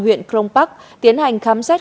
huyện crong park tiến hành khám xét